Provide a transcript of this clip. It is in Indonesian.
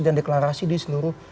dan deklarasi di seluruh